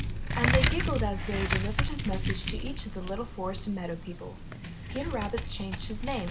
And they giggled as they deHvered his message to each of the Httle forest and meadow people: n Peter Rabbit^s changed his name.